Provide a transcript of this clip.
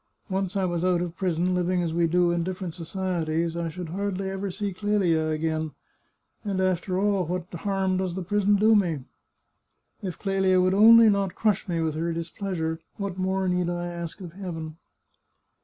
Once I was out of prison, living as we do in different societies, I should hardly ever see Clelia again. And, after all, what harm does the prison do me? If Clelia would only not crush me with her displeasure, what more need I ask of Heaven